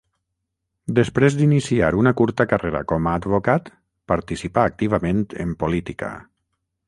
Després d'iniciar una curta carrera com a advocat participà activament en política.